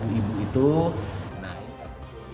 yang sudah mencuri susu